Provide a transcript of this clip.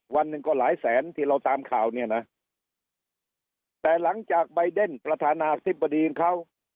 วันหนึ่งก็หลายแสนที่เราตามข่าวเนี่ยนะแต่หลังจากใบเดนประธานาธิบดีของเขา